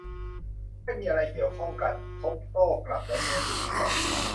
ไม่มีอะไรเกี่ยวข้องกัน โทปป์โต้กลับ แล้วม้วนบุหรี่ต่อ